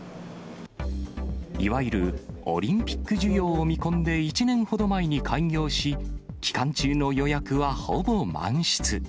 いわゆるオリンピック需要を見込んで、１年ほど前に開業し、期間中の予約は、ほぼ満室。